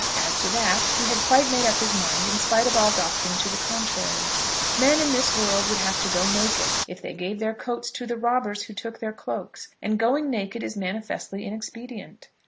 As to that, he had quite made up his mind, in spite of all doctrine to the contrary. Men in this world would have to go naked if they gave their coats to the robbers who took their cloaks; and going naked is manifestly inexpedient.